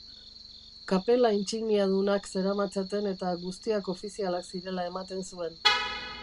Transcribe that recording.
Kapela intsigniadunak zeramatzaten eta guztiak ofizialak zirela ematen zuen.